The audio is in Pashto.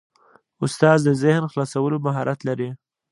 استاد د ذهن خلاصولو مهارت لري.